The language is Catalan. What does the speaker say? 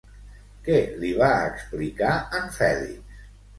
Què li va explicar en Fèlix?